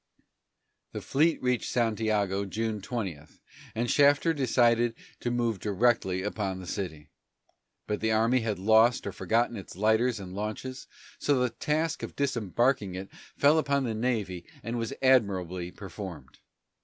The fleet reached Santiago June 20, and Shafter decided to move directly upon the city. But the army had lost or forgotten its lighters and launches, so the task of disembarking it fell upon the navy and was admirably performed.